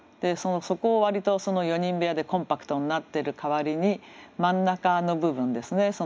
そこを割と４人部屋でコンパクトになってる代わりに真ん中の部分ですね。